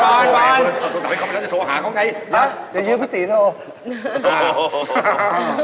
หรือจะยืนพระตีนะโอเค